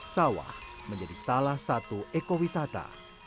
sawah menjadi salah satu ekowisata